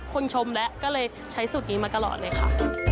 ชมแล้วก็เลยใช้สูตรนี้มาตลอดเลยค่ะ